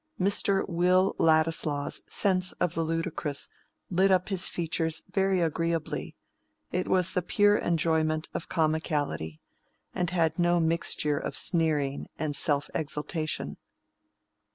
Mr. Will Ladislaw's sense of the ludicrous lit up his features very agreeably: it was the pure enjoyment of comicality, and had no mixture of sneering and self exaltation.